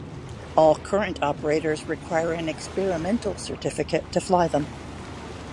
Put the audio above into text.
All current operators require an 'Experimental' certificate to fly them.